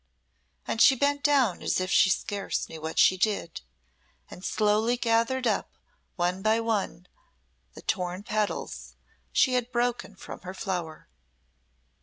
And she bent down as if she scarce knew what she did, and slowly gathered up one by one the torn petals she had broken from her flower.